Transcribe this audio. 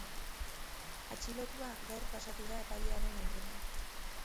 Atxilotua gaur pasatu da epailearen aurretik.